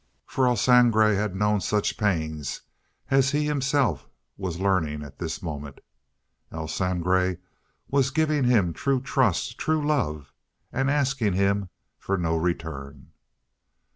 For El Sangre had known such pain as he himself was learning at this moment. El Sangre was giving him true trust, true love, and asking him for no return.